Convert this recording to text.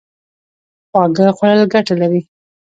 خواږه خوړل ګټه لري